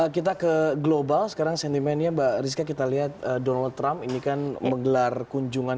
kita ke global sekarang sentimennya mbak rizka kita lihat donald trump ini kan menggelar kunjungan